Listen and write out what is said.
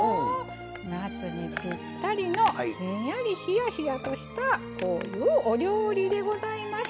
夏にぴったりのひんやりひやひやとしたこういうお料理でございます。